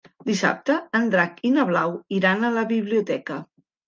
Dissabte en Drac i na Blau iran a la biblioteca.